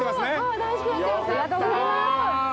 ありがとうございます。